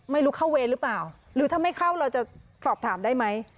ไม่รู้เข้าเวรหรือเปล่าหรือถ้าไม่เข้าเราจะสอบถามได้ไหม